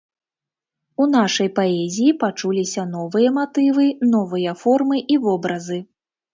У нашай паэзіі пачуліся новыя матывы, новыя формы і вобразы.